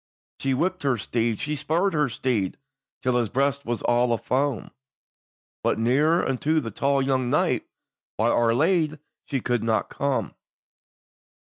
She whipped her steed, she spurred her steed, Till his breast was all a foam; But nearer unto that tall young knight, By Our Ladye she could not come.